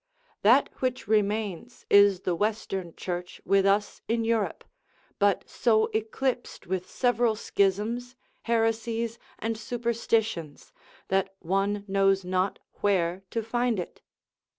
That which remains is the Western Church with us in Europe, but so eclipsed with several schisms, heresies and superstitions, that one knows not where to find it.